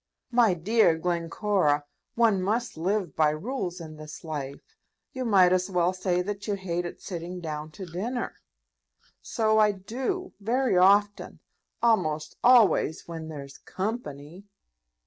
"My dear Glencora, one must live by rules in this life. You might as well say that you hated sitting down to dinner." "So I do, very often; almost always when there's company."